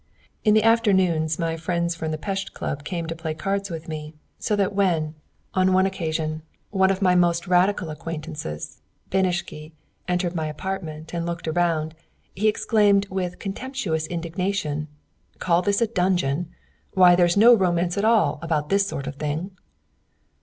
In the afternoons my friends from the Pest Club came to play cards with me, so that when, on one occasion, one of my most radical acquaintances, Beniczky, entered my apartment and looked around, he exclaimed with contemptuous indignation: "Call this a dungeon! Why, there's no romance at all about this sort of thing!"